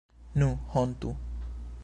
Nu, hontu!